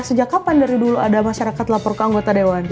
sejak kapan dari dulu ada masyarakat lapor ke anggota dewan